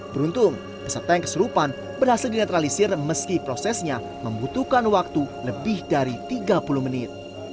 beruntung peserta yang kesurupan berhasil dinetralisir meski prosesnya membutuhkan waktu lebih dari tiga puluh menit